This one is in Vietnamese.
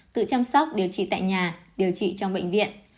tự chăm sóc điều trị tại nhà điều trị trong bệnh viện